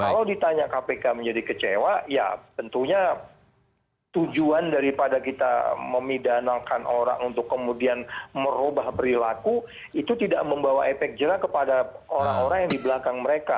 kalau ditanya kpk menjadi kecewa ya tentunya tujuan daripada kita memidanakan orang untuk kemudian merubah perilaku itu tidak membawa efek jerah kepada orang orang yang di belakang mereka